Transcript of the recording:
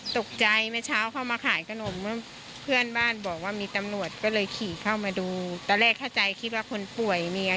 ทรักมาบอกว่าเขาแทงกันตายก็ไม่เชื่อเดินมาไหนไง